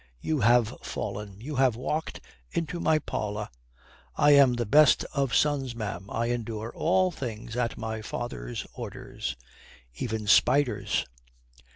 "You have fallen. You have walked into my parlour." "I am the best of sons, ma'am. I endure all things at my father's orders even spiders."